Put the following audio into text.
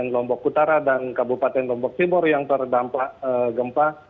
lombok utara dan kabupaten lombok timur yang terdampak gempa